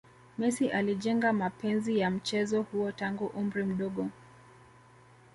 messi alijenga mapenzi ya mchezo huo tangu umri mdogo